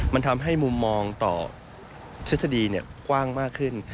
มันทำให้มุมมองต่อทฤษฎีกว้างมากขึ้น